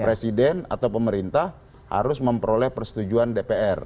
presiden atau pemerintah harus memperoleh persetujuan dpr